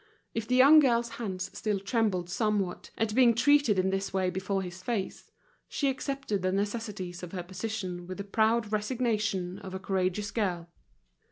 If the young girl's hands still trembled somewhat, at being treated in this way before his face, she accepted the necessities of her position with the proud resignation of a courageous girl.